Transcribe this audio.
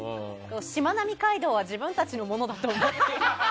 しまなみ海道は自分たちのものだと思っている。